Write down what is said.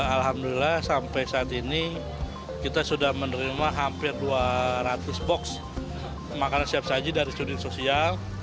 alhamdulillah sampai saat ini kita sudah menerima hampir dua ratus box makanan siap saji dari sudir sosial